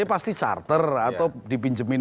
pasti charter atau dipinjemin